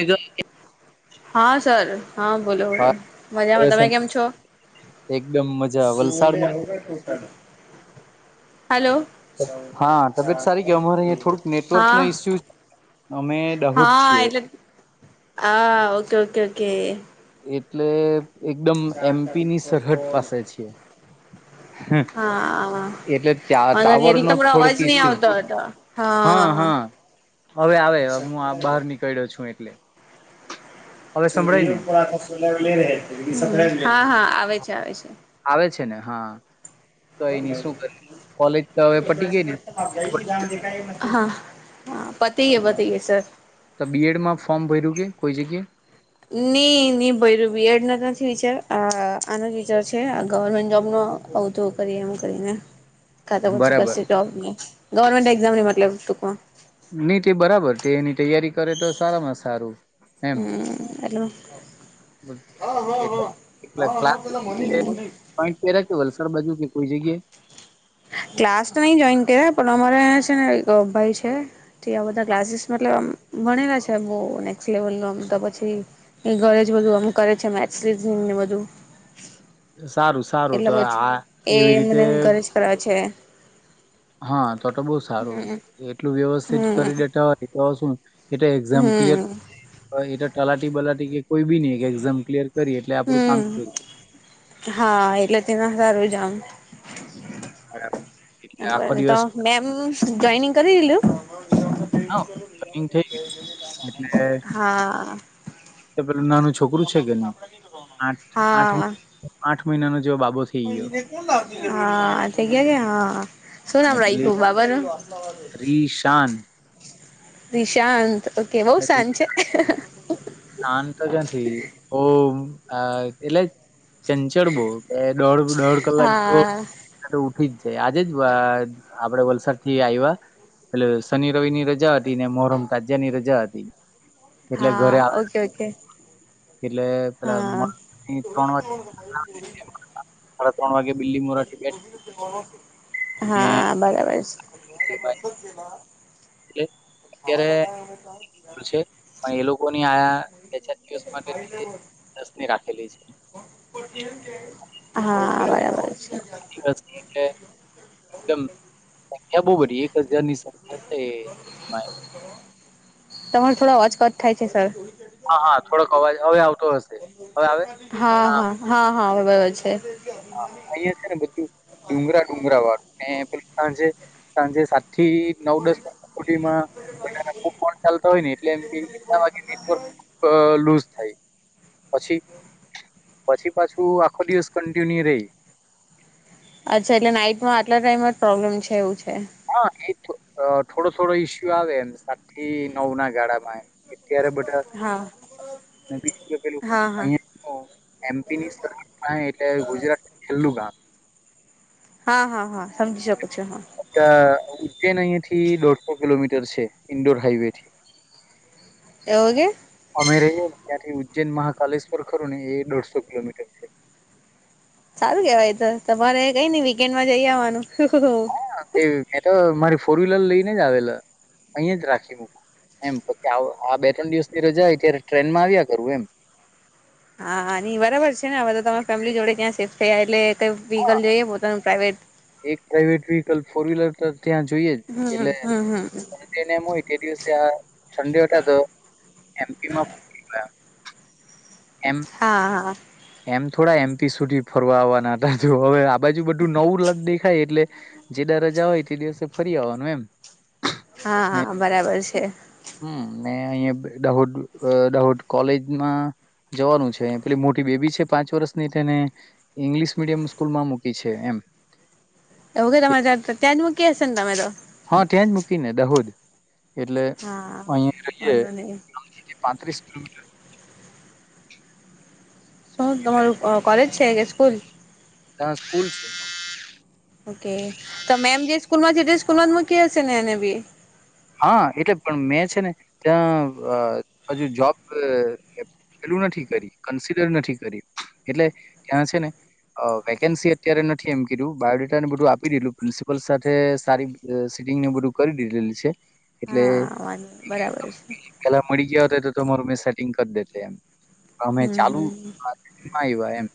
એજ હા સર હા બોલો બોલો મજામાં હવે તમે કેમ છો એકદમ મજા સોલ વલસાડમાં હોગ ટોટલ હલો હા તબિયત સારી કે અમારે અહીંયા થોડુંક નેટવર્ક નો હા ઈસ્યુ અમે દહોદ છીએ હા એટલે હા ઓકે ઓકે ઓકે એટલે એકદમ એમપી ની સરહદ પાસે છ હા વાંધો એટલે ત્યા નહી ટાવર એટલે નો તમારો થોડોક અવાજ નહી કસ્સુ આવતો હતો હા હા હવે આવે હું બહાર નીકળ્યો છું એટલે હવે સંભળાય ોરી ને હા હા આવે છે આવે છે આવે છે ને હા કઈ નઈ શું કરે કોલેજ તો હવે પટી ગઈ ને હા હા પતી પતીએ સર તો બીએડમાં ફોર્મ ભર્યું કે કોઈ જગ્યાએ નઈ નહી ભ બીએડ ન નથી વિચાર આનો જ વિચાર છે ગવર્મેન્ટ જોબ નો હ આવ તો કરી એમ કરીને કતા કરછ બરાબર બબ ગવર્મેન્ટ એક્ઝામ ની મતલબ ત નહી તે બરાબર તે એની તૈયારી કરે તો સારામાં સારું હમ હલો બ એટ એટલે્લાઈન્ટ પ કે વલસાડ બાજુ કે કોઈ જગ્યા ક્લાસ તો નહી જોઈન કર્યા પણ અમારેં છે ને એક ભાઈ છે તે આ બધા ક્લાસીસ મતલબ ભણેલા છે બહ નેક્ લેવલ નું તો પછી એ ઘરે જ બધું અમ કરે છે જીમ ને બધું સારું સારું એટલે તો પછી આ એવી એ રીતે મને ઘરે જ કરાવે છે હા તો તો બઉ સારું હમ એટલું વ્યવસ્થિત હમ કરી દેતા હોય તો શું એટ એક્સામ ક્લયર હમ એટ તલાટી બાલાટી કે કોઈ બ ન એઝામ ક્લયર હમ હા એટલે તેના સારું જમ હ તો મેમ જોઈનિંગ કરી દેલું હા જોઈનિંગ થઈ ગ્યું એટલે હા ે પેલુ નાનું છોકરું છે કે નહી આઠ આઠ હા આઠ મહિનાનો જેવો બાબો થઈ ગયો હા થઈ ગયા કે હા શું અને નામ પેલી રાખ્યું બાબા નું રીશાન નિશાંત ઓકે બહુ નથી શાંત છે શાન તો જ નથી ઓ અ એટલે ચંચડ બો કે દોઢ દોઢ કલાક જો હા ઠી જાય આજે જ આપડે વલસાડ થી આવ્યા એટલે શનિ રવિ ની રજા હતી ને મોહરમ તાજયા ની રજા હતી એટલે હા ઘરે આવે ઓકે ઓકે એટલે પેલા હા ત્રણ વાગડા ત્રણ વાગે. બિલ્લી મોરાથી બેઠા હા બરાબર છે. એ. ખાવાના ટ આવે. પ છે. પણ એ લોકોની આ બે ચાર દિવસ માટેસની રાખેલી છે. આખું હા પેલું બરાબર છે. દિવસ એટલે એકદમ સંખ્યા બહ એક હજાર ની સંખ્યા છે. તમારે થોડા અચકટ થાય છે સર. હા, હા થોડોક અવાજ હવે આવતો હશે. હવે આવે? હા હા હા હા. બ છે. હા અહિયાં છે ને બધું ડુંગરા ડુંગરા વાળું પ સાંજે સાંજે સા. થી નવ દસમાં ચાલ હોય ને એટલે એમ કેલા વાગ. લૂઝ થાય પછી પછી પાછું આખો દિવસ. ટન રે. અચ્છા એટલે નાઈટમાં આટલા ટાઈમમાં જ પ્રોબ્લેમ છે એવું છે. હા એ થોડો થોડો ઈસ્યુ આવે એમ સાત થી નવ ના ગાળામાં. અત્યારે બધા. હ. બીજું પેલું અમપની સર એટ ગુજરાત છેલ્લું ગામ. હા હા હા સમજી શકો છો. અચ્છ ઉતે નહી. થી દોઢસો કિલોમીટર છે ઇન્ડોર હાઈવે થી. એવગ. અમે રહીએ ને ત્યાંથી ઉજ્જૈન મહાકાલેશ્વર ખરું ને એ દોઢસો કિલોમીટર છે. સારું કેવાય તો તમારે કઈ ન વીકેન્ડમાં જઈ આવવાનું. હા મે તો મારી ફોર વ્હીલર લઈને જ આવેલા અહીં જ રાખી મક. એમ પછી આ બે ત્રણ દિવસ થી રજા ત્યારે ટ્રેનમાં આવ્યા કરવું એમ. હાની બરાબર છે આ બધા તમારા ફેમિલી જોડે ત્યાં શિફ્ટ થયા એટલે. વ્હીકલ હા જોઈએ પોતાનું પ્રઇવેટ. એક પ્રાઇવેટ વ્હીકલ ફોર વ્હીલર તો ત્યાં જોઈએ જ હમ એટલેને એમ હોય. બે દિવસે આ સંડે તો એમપીમાં. એમ હા હા. એમ થોડા એમપી સુધી ફરવા આવવા ના હવે આ બાજુ બધું નવું લ દેખાય એટલે જે. જવાય તે દિવસે ફરી આવવાનું એમ. હા હા બરાબર છે. મે અહિયાયા દાહોદ દાહોદ કોલેજમાં જવાનું છે પેલી મોટી. બેબી છે પાંચ વર્ષની તેને ઈંગ્લિશ મીડિયમ સ્કૂલ માં મૂકી છે એમ. વગેરા માજા હતા તજ મ કે હશે તમારો. હા ત્યાં જ મૂકી ને દહોદ. એટલે હા અહીિયાં વાંધો નહી રહીે પાંત્રીસ. હ. શું તમારું કોલેજ છે કે સ્કૂલ ત સ્કૂલ છે. ઓકે તો મેમ જે સ્કૂલમાં છે તે સ્કૂલ માં જ મૂકી હશે ને એને બી. હા એટલે પણ મેં છે ને ત્યાં હજુ જોબ. નથી કરી કન્સિલર નથી કરી એટલે ત્યાં છે ને વેકેન્સી અત્યારે નથી. એ્યું બાયોડેટા ને બધું આપી દેલું પ્રિન્સિપલ સાથે સારી સિટિંગ ને બધું કરી દીધેલી છે. એટલે હા વાંધો નઈ બરાબર છે પેલા મળી ગયા તો. તમારું મેં સેટિંગ કરી દે એમ અમે હમ ચાલુ એમ.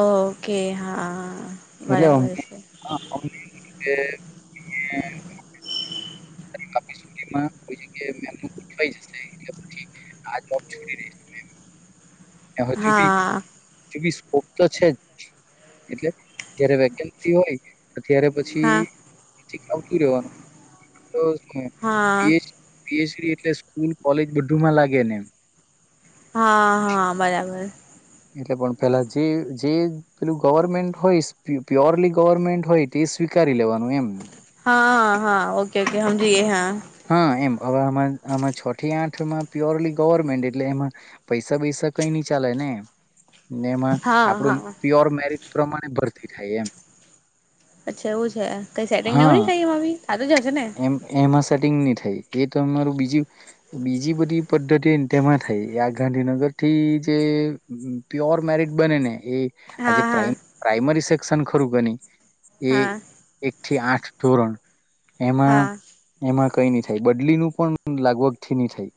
ઓ ઓકે હા એટલેમ બરાબર છે [unintelligible] જ [unintelligible] ઓ..... [unintelligible] એ ચ હા ચબસ [unintelligible] તો છે જ એટલે જયારે વેકેન્સી હોય અત્યારે પછી હા ઈ.. આવતું રેવાનું. તોએ હા પીએચડી એટલે સ્કૂલ કોલેજ બધુંમાં લાગે ને એમ. હા હા બરાબર એટલે પણ પેલા જે જે પેલું ગવર્મેન્ટ હોય પ્યોરલી ગવર્મેન્ટ હોય તે સ્વીકારી લેવાનું. એમ હા હા ઓકે ઓકે હમજી ગઈ હા. હા એમ હવે આ આમાં છ થી આઠમાં પ્યોરલી ગવર્મેન્ટ એટલે એમાં પૈસા બેૈસા કઈ ન ચાલે ને હ..... [inaudible] ને એમાં આપડું પ્યોર મેરિટ પ્રમાણે ભરતી થાય એમ. અચ્છા એવું છે કઈ સેટિંગને એવું હા નઈ થાય એમાં બી. થતું જ હશે ને? એમ એમાં સેટિંગ ની થાય એ તમારુ બીજી બીજી બધી પદ્ધતિ તેમાં થાય આ ગાંધીનગર થી જે પ્યોર મેરિટ બને ને એ આજે હા હા પ્રાઇ પ્રાઈમરી સેક્શન ખરું ગણી હા એ થી આઠ ધોરણ એમાં હા કઈ નહી થાય બદલી નું પણ લાગવગ થી નહી થાય.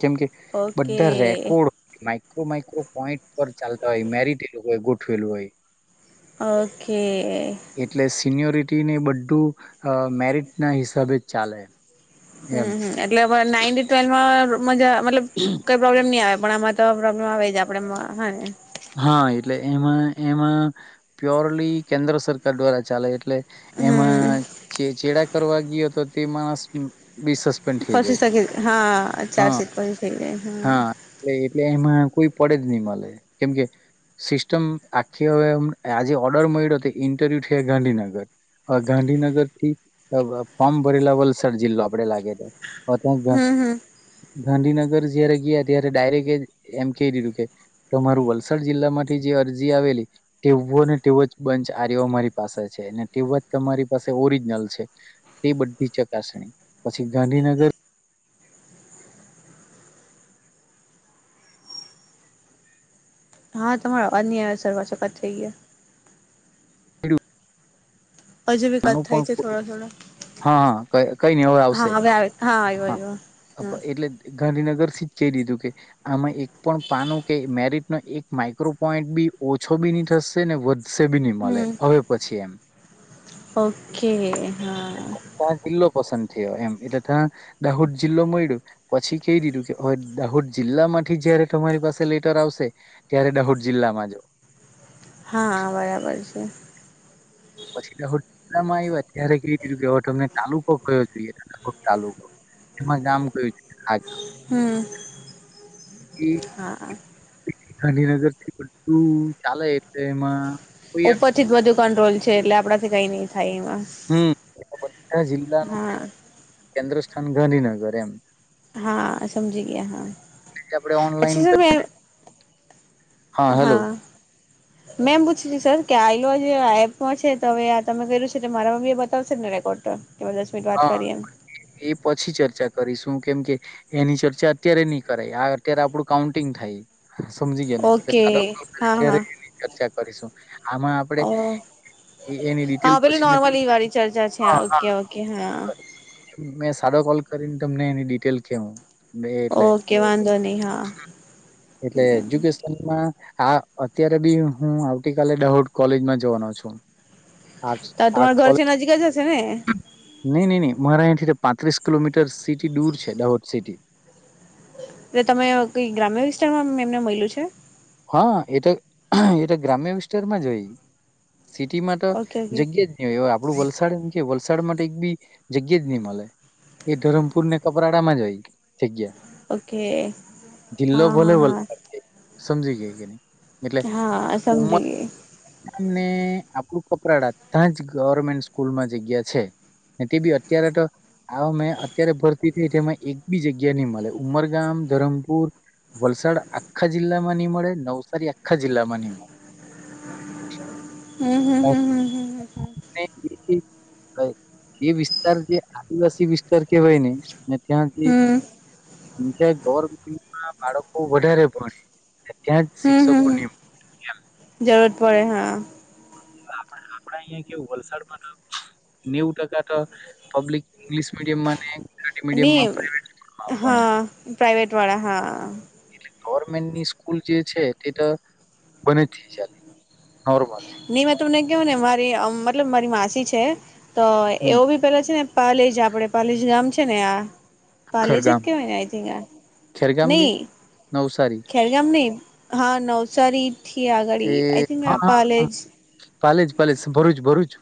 કેમ કે ઓકે બધાં રેકોર્ડ માઈક્રો માઈક્રો પોઈન્ટ પર ચાલતા હોય મેરિટ એ લોકો ગોઠવ ઠવેલુ હોય. ઓકે... એ એ ને બધું અ મેરિટ ના હિસાબે જ ચાલે એમ હમ હમ એટલે નાઈન ટ્વેલ્માં મજા મતલબ કઈ પ્રોબ્લેમ નઈ આવે. મણામાં તો પ્રોબ્લેમ આવે જ આપડે હા ને. હા એટલે એમાં એમાં પ્યોરલી કેન્દ્ર સરકાર દ્વારા ચાલે એટલે હમ એમાં ચે ચેડા કરવા ગયો તો તે માણસ બી સસ્પેન્ડ થઈ ફસીી જાય શકીી હા હા ચાર્જશીટ ફ શકી ર હા એ એટલે એમાં કોઈ પડે જ નહી મળે કેમકે સિસ્ટમ આખી હવે આજે ઓર્ડર મળ્યો તે ઇન્ટરવ્યુ છે ગાંધીનગર. ગાંધીનગર થી ફોર્મ ભરેલા વલસાડ જિલ્લો આપડે લાગેલો. હમ હમ ગાંધીનગર જયારે ગયા ત્યારે ડાયરેક્ટ એ એમ કય દીધું કે મારું વલસાડ જિલ્લા માંથી જે અરજી આવેલી તેવો ને તેવો જ બંચ આર યો‌ અમારી પાસે છે અને તેનો જ તમારી પાસે ઓરિજનલ છે. તે બધી ચકાસણી પછી ગાંધીનગર હા તમાર અવાજ નય સરવા સપાત થઈ ગયા. અજુ બી કત આનું પણ થાય છે કોઈ થોડો થોડો હા હા કઈ નય હવે હા આવશે આવે આવ્યો હા આવ્યો હા એટલે ગાંધીનગર થી જ કહી દીધું કે આમાં એક પણ પાનું કે મેરિટ ન એક માઈક્રોપઈન્ટ બી ઓછો બી નહી થશે ને વધશે બી નહી મલે હમ હવે પછી એમ. ઓકે હા ત્યાં જિલ્લો પસંદ થયો એમ એટલે ત્યાં દાહોદ જિલ્લો મળ્યો પછી કહી દીધું કે દાહોદ જિલ્લામાં. થી જયારે તમારી પાસે લેટર આવશે ત્યારે દાહોદ જિલ્લામાં જો હા બરાબર છે પછી દાહોદ જિલ્લા માં આવયા ત્યારે કય દીધું કે હવે તમને તાલુકો કરો જોઈએ તાલુકો એમાં ગામ કયું છે હા હમ હા ગાંધીનગર થી બધું ચાલે એટલે એમાં કોઈ એમ ઉપરથી જ બધું કંટ્રોલ છે, એટલે આપણાથી કઈ નહી થાય એમાં. હમ એટલે જિલ્લાનું હા [inaudible] કેન્દ્ર સ્થાન ગાંધીનગર એમ. હા સમજી ગયા. હા એટલે આપણે ઓનલાઈન અચ્છા સર મે હા હેલો. મેં એમ પૂછ્યું કે, સર કે આલો જે એપમાં છે તો હવે આ તમે કર્યું છે તો મારામાં બી એ બતાવશે જ ને? રેકોર્ડ કે દસ મિનિટ વાત હા કરીએ એમ હા એ એ પછી ચર્ચા કરીશું કેમ કે એની ચર્ચા અત્યારે નહી કરાય. આ અત્યારે આપડું કાઉન્ટિંગ થાય. સમજી ગ્યાને? એટલે ઓકે સાદો કોલ કરીશું હા ત્યારે હા એની ચર્ચા કરીશું. આમાં આપડે ઓ એની ડિટેલ હા પેલું પછી મે નોર્મલ એ વાળી ચર્ચા છે. હા હા ઓકે ઓકે. હા મેં સાદો કોલ કરીને તમને એની ડિટેલ કેહવુ. એ [unintelligible] એટલે. ઓકે વાંધો નહી હા એટલે એજ્યુકેશનમાં હા. અત્યારે બી હું આવતી કાલે દાહોદ કોલેજમાં જવાનો છું. આર્ટ તો તમારા આર્ટસ કોલેજ. ઘરથી નજીક જ હશે ને નહી નહી નહી મારા ઍન્ડથી તો પાંત્રીસ કિલોમીટર સિટી દૂર છે. દહોદ સિટી. એટલે તમે કઈ ગ્રામ્ય વિસ્તારમાં એમને મલ્યું છે? હા.. એ તો એ તો ગ્રામ્ય વિસ્તારમાં જ હોય. સિટીમાં તો ઓકે ઓકે જગ્યા જ નહી હોય. આપડું વલસાડ એમ કે વલસાડ સળ માટે એક બી જગ્યા જ નહી મળે. એ ધરમપુર ને કપરાડામાં જ હોય. જગ્યા. ઓકે જિલ્લો હા ભલે હા ભલે સમજી ગય કે નય. હા સમજી ગય. મને આપણું કપરાડા. તાં જ ગવર્મેન્ટ સ્કૂલમાં જગ્યા છે. તે બી અત્યારે તો આ મે અત્યારે ભરતી થઈ, તેમાં એક બી જગ્યા નહી મળે. ઉમરગામ ધરમપુર, વલસાડ આખા જિલ્લામાં નહી મળે. નવસારી આખા જિલ્લામાં નહી મળે. હમ હમ હમ હમ હમ ને હમ હમ એ વિસ્તાર જે આદિવાસી વિસ્તાર કેહેવાયને, અને ત્યાં જે હમ કેમકે ગિવેરમેન્ટમાં બાળકો વધારે ભણે. ત્યાં જ હમ હમ હમ શિક્ષકોની [inaudible] જરૂરત પડે હા. આપડે આપડે અહિયાં કેવું વલસાડમાં તો નેવ ટકા તો પબ્લિક ઇંગલિશ મિડિયમમાં અને અને હા. પ્રાઈવેટવાળા હા ગવર્મેન્ટની સ્કૂલ જે છે તે તો [unintelligible] બને જ છે ચાલે નોર્મલ. નઈ મે તમને કેવને, મારી અ મતલબ મારી માસી છે. તો હમ એવું બી પેલા છે ને? પાલેજ આપડે પાલેજ ગામ છે ને આ પાલેજ ખેરગામ કેહવાય ને આઇ થિન્ક આ ખેરગામ કે નહી. નવસારી ખેરગામ નહી. હા નવસારીથી આગડી એ આઈ થિન્ક હા આ હા હા પાલેજ પાલેજ પાલેજ ભરૂુંજ ભરૂચ.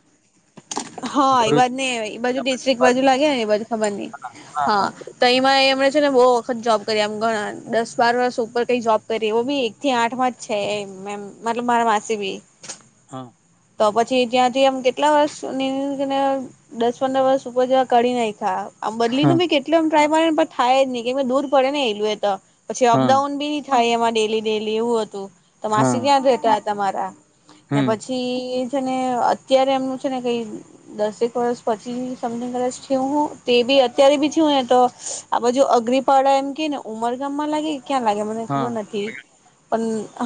હા એ ભરૂચ બાજ નય એ બાજુ ડિસ્ટ્રિક બાજુ લાગે ને? એ બાજુ ખબર નઈ. હા તો એમાં એમ જ છે ને બહુ વખત જોબ કરી એમ ઘણા દસ બાર વર્ષ ઉપર કઈ જોબ કરી એવો બી એકથી આઠમાં જ છે એ મે મતલબ મારા માસી બી. હા તો પછી ત્યાંથી આમ કેટલા વર્ષને [unintelligible] દસ પંદર વર્ષ ઉપર જેવા કાઢી નાખ્યા. આમ બદલીનું બી કેટલો એમ ટ્રાય માર્યોને પણ થાય જ નહી કે દૂર પડેને એલું એ તો પછી હા અપડાઉન બી થાઈ એમાં ડેલી ડેલી એવું હતું. તો માસી હા ત્યાં જ રહેતા હતા મારા. હમ એ છે ને અત્યારે એમનું છે ને કઈ દસેક વર્ષ પછી સોમથીન કદાચ થવું હો તે બી અત્યારે બી જોયે તો આ બાજુ અગરીપાળા એમ કેય ને ઉમરગામમાં લાગી ક્યાં લાગે મને ખબર હા નથી પન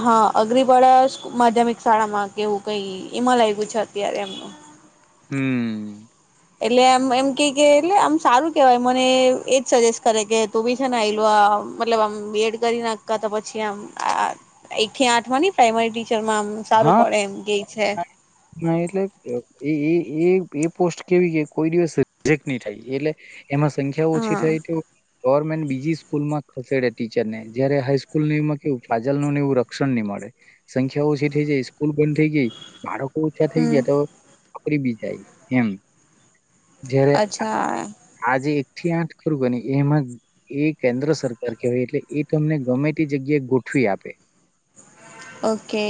હા અગરીપાડા માધ્યમિક શાળામાં કેવું કઈ એમાં લાગ્યું છે, અત્યારે એમનું હમ. એટલે એમ એમ કેય કે એટલે આમ સારું કેવાય મને એજ સજેસ્ટ કરે કે તું બી છે ને આયલુ આ મતલબ આમ બીએડ કરી ના તો પછી આમ એકથી આઠમા ની પ્રાઈમરી ટી ચરમા આમ સારું હા પડે એમ કેય ના એટલે એ એ એ એ પોસ્ટ કેવી કે કોઈ દિવસ રિજેક્ટ ની થાય એટલે એમાં સંખ્યા ઓછી હા થઈ તો ગવર્મેન્ટ બીજી સ્કૂલમાં ખસેડે ટીચરને જયારે હાઈસ્કૂલમાં કેવું ફાજલનુ નેવું રક્ષણની મ ળે સંખ્યા ઓછી થઈ જાય સ્કૂલ બંધ થઈ ગઈ બાળકો ઓછા થઈ હમ ગયા તો નોકરી બી જાય એમ જયારે અચ્છા. આજે એકથી આઠ ખરુ કેની એમાં એ કેન્દ્ર સરકાર કેવાય એટલે એ તમને ગમે તે જગ યા ગોઠવી આપે ઓકે.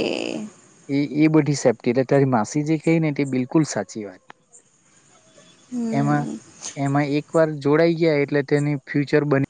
એ એ બધી સેફ્ટી એટલેટ તારી માસી જે કેય ને તે બિલકુલ સાચી વાત એમાં હમ. એમાં એક વાર જોડાઈ ગયા એટલે તેની ફ્યુચર બની